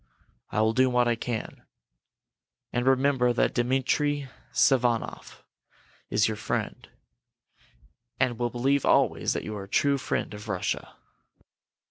"I will do what I can. And remember that Dmitri Sazonoff is your friend, and will believe always that you are a true friend of Russia.